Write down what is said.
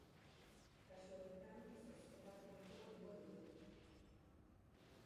Kasu horretan, zozketa publikoa egingo lukete.